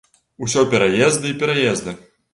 Усё пераезды і пераезды.